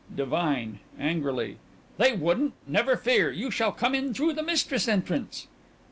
DIVINE: (Angrily) They wouldn't! Never fear you shall come in through the mistress' entrance.